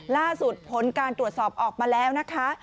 ล่าสุดผลการตรวจสอบออกมาแล้วนะคะ